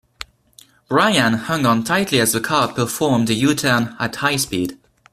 Brian hung on tightly as the car performed a U-turn at high speed.